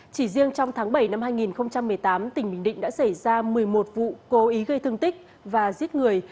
chỉ riêng trong tháng bảy năm hai nghìn một mươi tám tỉnh bình định đã xảy ra một mươi một vụ cố ý gây thương tích và giết người